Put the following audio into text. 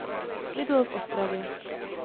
Bydlel v Ostravě.